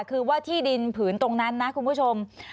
คือว่าที่ดินผืนตรงนั้นนะคุณผู้ชม